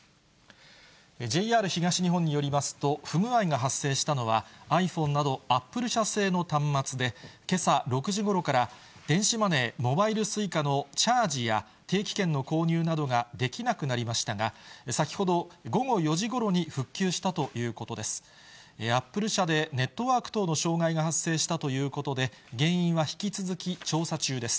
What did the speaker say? ＪＲ東日本によりますと、不具合が発生したのは、ｉＰｈｏｎｅなど、アップル社製の端末で、けさ６時ごろから、電子マネー、モバイルＳｕｉｃａのチャージや定期券の購入などができなくなりましたが、先ほど午後４時ごろに復旧したということです。